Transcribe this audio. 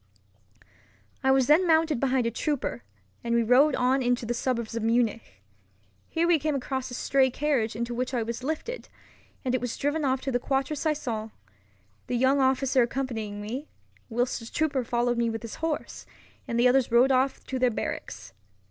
I was then mounted behind a trooper, and we rode on into the suburbs of Munich. Here we came across a stray carriage into which I was lifted, and it was driven off to the Quatre Saisons—the young officer accompanying me, whilst a trooper followed with his horse, and the others rode off to their barracks.